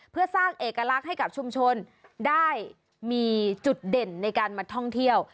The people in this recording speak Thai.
เพื่อสร้างเอกลักษณ์ให้กับชุมชนได้มีจุดเด่นในการมาท่องเที่ยว